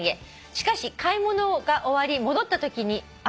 「しかし買い物が終わり戻ったときにあれ？」